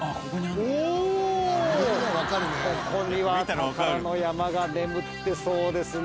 ここには宝の山が眠ってそうですね。